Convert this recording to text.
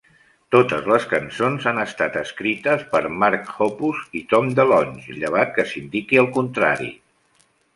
Totes les cançons han estat escrites per Mark Hoppus i Tom DeLonge, llevat que s'indiqui el contrari.